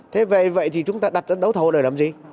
thế vậy thì chúng ta đặt đấu thầu này làm gì